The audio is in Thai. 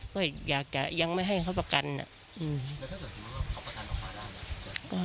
ก็อยากจะยังไม่ให้เขาประกันนะ